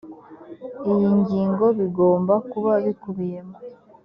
iyi ngingo bigomba kuba bikubiyemo